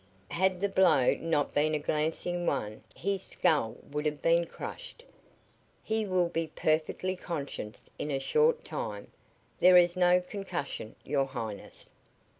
Had the blow not been a glancing one his skull would have been crushed. He will be perfectly conscious in a short time. There is no concussion, your Highness."